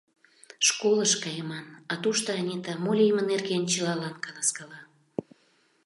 Школыш кайыман, а тушто Анита мо лийме нерген чылалан каласкала.